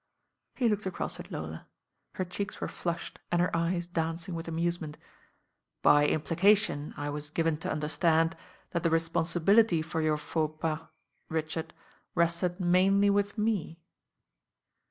He looked across at Lola. Her cheeks were flushed and her eyes dancing with amuse ment. "By implication I was given to understand that the responsibility for your faux pas, Richard« rested mainly with me."